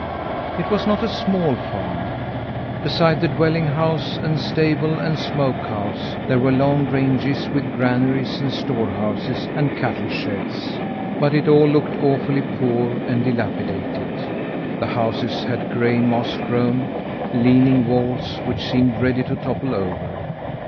It was not a small farm. Beside the dwelling house and stable and smoke house, there were long ranges with granaries and storehouses and cattlesheds. But it all looked awfully poor and dilapidated. The houses had gray, moss grown, leaning walls, which seemed ready to topple over.